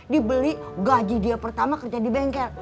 dibeli gaji dia pertama kerja di bengkel